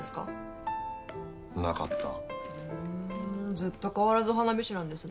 ずっと変わらず花火師なんですね。